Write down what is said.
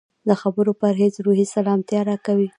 د خبرو پرهېز روحي سلامتیا راکوي.